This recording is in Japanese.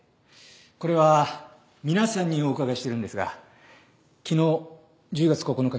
これは皆さんにお伺いしてるんですが昨日１０月９日